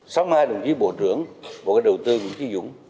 sáng mai đồng chí bộ trưởng một cái đầu tư của chí dũng